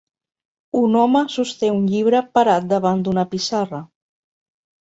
Un home sosté un llibre parat davant d'una pissarra.